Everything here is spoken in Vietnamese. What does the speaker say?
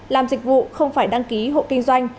làm dịch vụ không phải đăng ký hộ kinh doanh